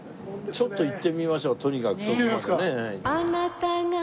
ちょっと行ってみましょうとにかくそこまでね。